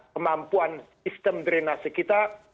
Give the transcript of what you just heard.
kemampuan sistem drenasi kita